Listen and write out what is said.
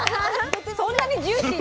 そんなにジューシーってこと？